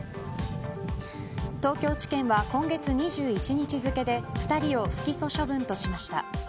東京地検は今月２１日付で２人を不起訴処分としました。